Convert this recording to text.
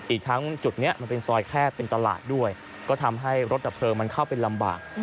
อีกทั้งจุดนี้มันเป็นซอยแคบเป็นตลาดด้วยก็ทำให้รถดับเพลิงมันเข้าไปลำบาก